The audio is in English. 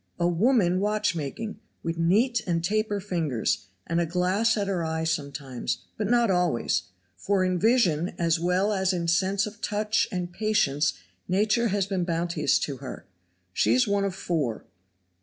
A woman watchmaking, with neat and taper fingers, and a glass at her eye sometimes, but not always, for in vision as well as in sense of touch and patience nature has been bounteous to her. She is one of four.